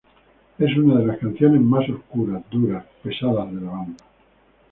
Es una de las canciones más oscuras, duras, pesadas de la banda.